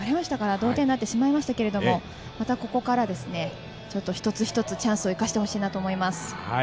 同点になってしまいましたけれども、またここから一つ一つ、チャンスを生かしてほしいなと思います。